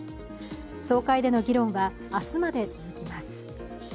総会での議論は明日まで続きます。